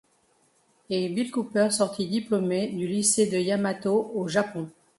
Et Bill Cooper sortit diplômé du lycée de Yamato au Japon.